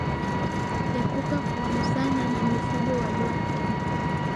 Epuka kugusana na mifugo walioathirika